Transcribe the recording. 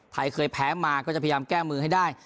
เคยแพ้มาก็จะพยายามแก้มือให้ได้